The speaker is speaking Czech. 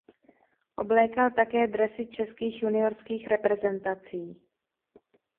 Oblékal také dresy českých juniorských reprezentací.